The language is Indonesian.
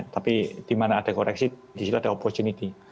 tapi di mana ada koreksi disitu ada opportunity